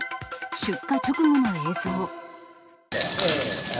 出火直後の映像。